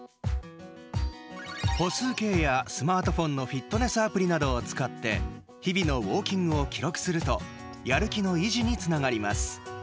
歩数計やスマートフォンのフィットネスアプリなどを使って日々のウォーキングを記録するとやる気の維持につながります。